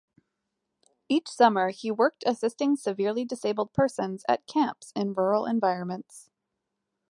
Each summer he worked assisting severely disabled persons at camps in rural environments.